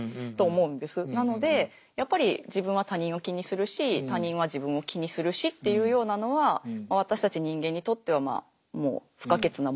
なのでやっぱり自分は他人を気にするし他人は自分を気にするしっていうようなのは私たち人間にとってはもう不可欠なもの。